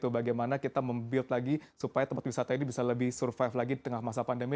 bagaimana kita mem build lagi supaya tempat wisata ini bisa lebih survive lagi di tengah masa pandemi